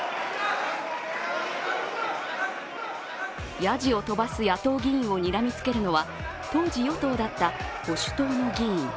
やじを飛ばす野党議員をにらみつけるのは当時、与党だった保守党の議員。